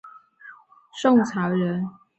是宋朝人。